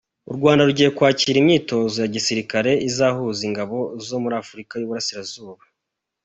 U Rwanda rugiye kwakira imyitozo ya gisirikare izahuza ingabo zo muri afurica yiburasira zuba